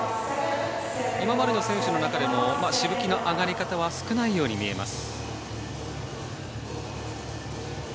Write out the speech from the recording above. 今までの選手の中でもしぶきの上がり方は少ないように見えます。